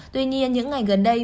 tuy nhiên những ngày gần đây